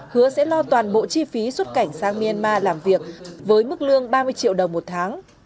hứa sẽ lo toàn bộ chi phí xuất cảnh sang myanmar làm việc với mức lương ba mươi triệu đồng một tháng